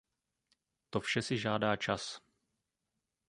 To vše si žádá čas.